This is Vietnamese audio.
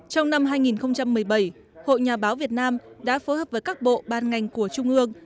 trong năm hai nghìn một mươi bảy hội nhà báo việt nam đã phối hợp với các bộ ban ngành của trung ương